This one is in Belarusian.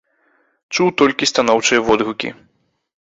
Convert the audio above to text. Чуў толькі станоўчыя водгукі!